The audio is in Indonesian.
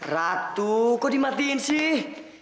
ratu kok dimatiin sih